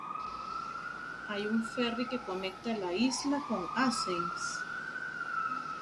Hay un ferry que conecta la isla con Assens.